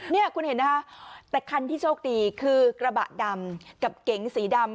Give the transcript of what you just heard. นี่คุณเห็นนะคะแต่คันที่โชคดีคือกระบะดำกับเก๋งสีดำ